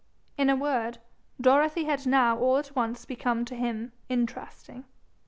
In a word, Dorothy had now all at once become to him interesting.